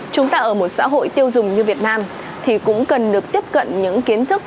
chúng ta ở một xã hội tiêu dùng như việt nam thì cũng cần được tiếp cận những kiến thức